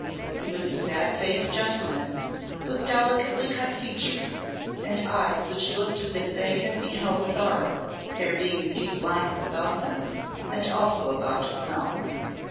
He was a sad faced gentleman with delicately cut features, and eyes which looked as if they had beheld sorrow, there being deep lines about them, and also about his mouth.